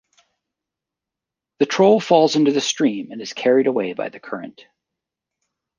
The troll falls into the stream and is carried away by the current.